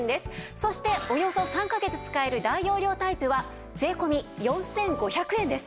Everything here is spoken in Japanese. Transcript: そしておよそ３カ月使える大容量タイプは税込４５００円です。